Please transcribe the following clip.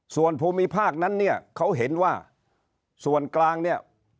ส่วนภูมิภาคนั้นเนี่ยเขาเห็นว่าส่วนกลางเนี่ย